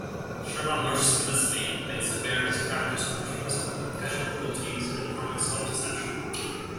Schwimmer mercilessly lays bare his character's opportunism, casual cruelties, and chronic self-deception.